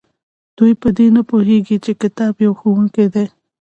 دوی په دې نه پوهیږي چې کتاب یو ښوونکی دی.